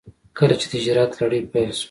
کله چې د هجرت لړۍ پيل شوه.